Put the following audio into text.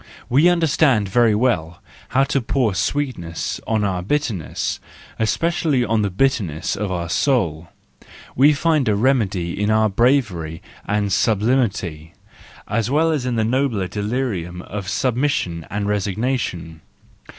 We understand very well how to pour sweetness on our bitterness, especially on the bitterness of our soul; we find a remedy in our bravery and sublimity, as well as in the nobler delirium of sub 252 THE JOYFUL WISDOM, IV mission and resignation.